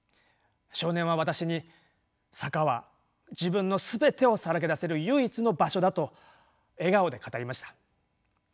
少年は私に坂は自分の全てをさらけ出せる唯一の場所だと笑顔で語りました。